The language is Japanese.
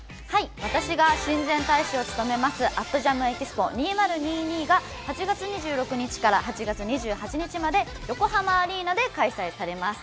私が親善大使を務めます、＠ＪＡＭＥＸＰＯ２０２２が８月２６日から８月２８日まで横浜アリーナで開催されます。